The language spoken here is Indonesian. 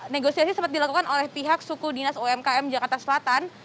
negosiasi sempat dilakukan oleh pihak suku dinas umkm jakarta selatan